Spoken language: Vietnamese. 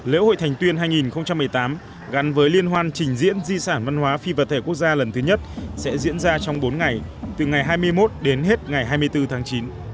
lễ hội thành tuyên hai nghìn một mươi tám gắn với liên hoan trình diễn di sản văn hóa phi vật thể quốc gia lần thứ nhất sẽ diễn ra trong bốn ngày từ ngày hai mươi một đến hết ngày hai mươi bốn tháng chín